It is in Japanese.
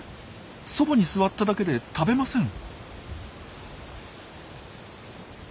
そばに座っただけで食べません。